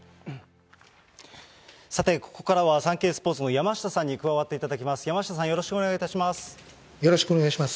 さてここからはサンケイスポーツの山下さんに加わっていただきます。